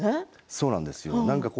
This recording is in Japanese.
そうなんですよ